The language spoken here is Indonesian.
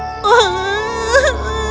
aku tidak bisa